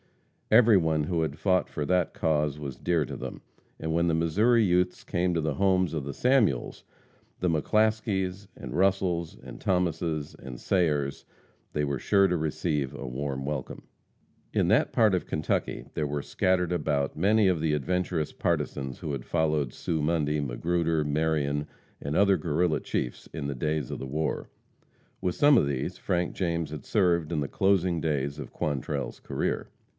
Every one who had fought for that cause was dear to them, and when the Missouri youths came to the homes of the Samuels, and McClaskeys, and Russels, and Thomases, and Sayers, they were sure to receive a warm welcome. In that part of Kentucky there were scattered about many of the adventurous partisans who had followed Sue Mundy, Magruder, Marion and other Guerrilla chiefs in the days of the war. With some of these Frank James had served in the closing days of Quantrell's career.